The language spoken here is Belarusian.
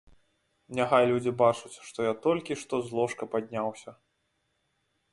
Няхай людзі бачаць, што я толькі што з ложка падняўся.